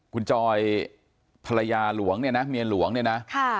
คุณจอยภรรยาหลวงเนี่ยนะเมียหลวงเนี่ยนะ